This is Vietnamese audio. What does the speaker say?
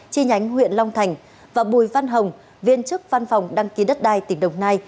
chi nhánh huyện long thành và bùi văn hồng viên chức văn phòng đăng ký đất đai tỉnh đồng nai